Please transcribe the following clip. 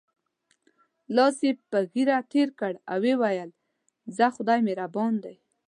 لاس یې په ږیره تېر کړ او وویل: ځه خدای مهربان دی.